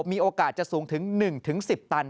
มีโอกาสจะสูงถึง๑๑๐ตัน